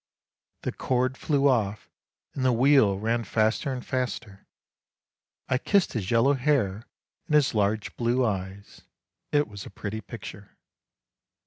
The cord flew off, and the wheel ran faster and faster. I kissed his yellow hair and his large blue eyes. It was a pretty picture.